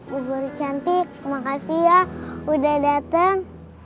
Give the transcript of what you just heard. bu guru cantik makasih ya udah dateng